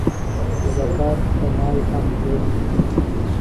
زکات د مال حق دی.